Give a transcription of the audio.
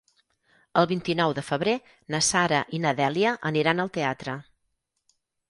El vint-i-nou de febrer na Sara i na Dèlia aniran al teatre.